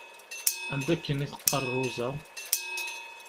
Anda akken i teqqaṛ Roza?